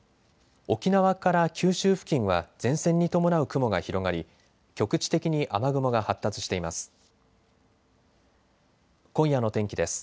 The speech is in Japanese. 沖縄から九州付近は前線に伴う雲が広がり局地的に雨雲が発達しています。